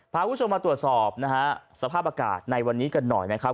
พาคุณผู้ชมมาตรวจสอบนะฮะสภาพอากาศในวันนี้กันหน่อยนะครับ